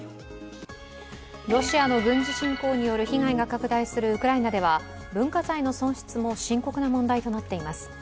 ロシアの軍事侵攻による被害が拡大するウクライナでは文化財の損失も深刻な問題となっています。